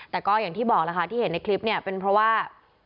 แต่ก็อย่างที่บอกแล้วค่ะที่เห็นในคลิปเนี่ยเป็นเพราะว่า